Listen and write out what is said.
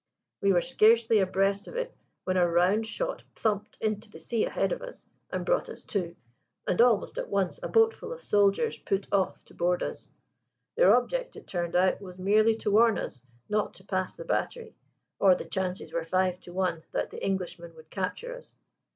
We were scarcely abreast of it when a round shot plumped into the sea ahead of us and brought us to, and almost at once a boatful of soldiers put off to board us. "Their object, it turned out, was merely to warn us not to pass the battery, or the chances were five to one that the Englishman would capture us.